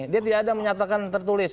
dia tidak ada menyatakan tertulis